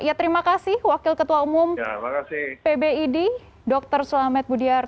ya terima kasih wakil ketua umum pbid dr sulamet budiar